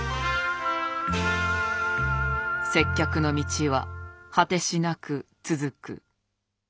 接客の道は果てしなく続く。